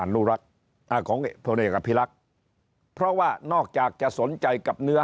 นุรักษ์ของพลเอกอภิรักษ์เพราะว่านอกจากจะสนใจกับเนื้อ